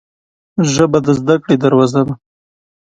ژبه د زده کړې دروازه ده